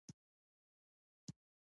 مېلمه ته د ارامتیا فضا جوړ کړه.